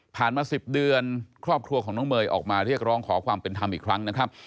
มา๑๐เดือนครอบครัวของน้องเมย์ออกมาเรียกร้องขอความเป็นธรรมอีกครั้งนะครับ